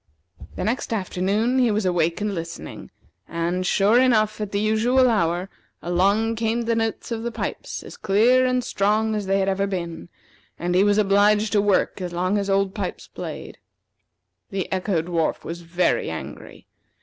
The next afternoon he was awake and listening, and, sure enough, at the usual hour, along came the notes of the pipes as clear and strong as they ever had been; and he was obliged to work as long as Old Pipes played. The Echo dwarf was very angry.